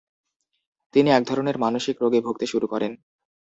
তিনি একধরনের মানসিক রোগে ভুগতে শুরু করেন।